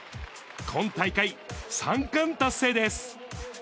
今大会３冠達成です。